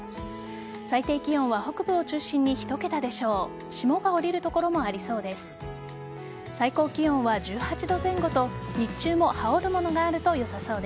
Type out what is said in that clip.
最低気温は北部を中心に１桁でしょう。